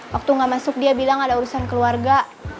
waktu nggak masuk dia bilang ada urusan keluarga